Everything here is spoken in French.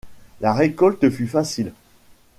La récolte fut facile.